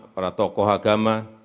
para tokoh agama